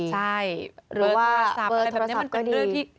ใช่หรือโทรศัพท์อะไรแบบนี้มันเป็นเรื่องที่